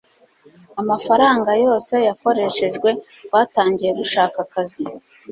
amafaranga yose yakoreshejwe, twatangiye gushaka akazi